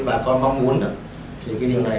bà con mong muốn thì cái điều này